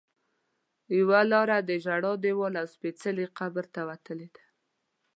یوه لاره د ژړا دیوال او سپېڅلي قبر ته وتلې ده.